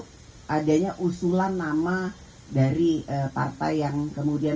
kita city apa hitam putih ada tulisannya bahwa bahwa bahwa ini ini ini istilahnya dan kemudian kemudian